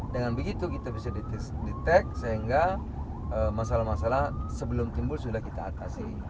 dengan begitu kita bisa detect sehingga masalah masalah sebelum timbul sudah kita atasi